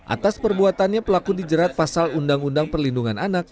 atas perbuatannya pelaku dijerat pasal undang undang perlindungan anak